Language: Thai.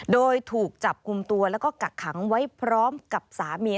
โดยถูกจับกลุ่มตัวแล้วก็กักขังไว้พร้อมกับสามี